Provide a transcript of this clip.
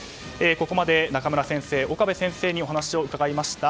ここまで中村先生、岡部先生にお話を伺いました。